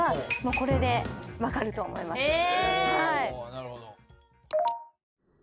なるほど。